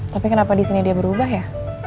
tapi kenapa di sini dia berubah ya